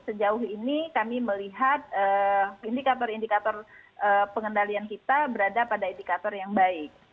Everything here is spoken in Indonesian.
sejauh ini kami melihat indikator indikator pengendalian kita berada pada indikator yang baik